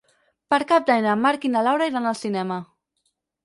Per Cap d'Any en Marc i na Laura iran al cinema.